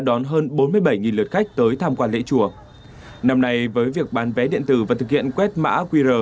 đón hơn bốn mươi bảy lượt khách tới tham quan lễ chùa năm nay với việc bán vé điện tử và thực hiện quét mã qr